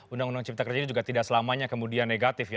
undang undang cipta kerja ini juga tidak selamanya kemudian negatif ya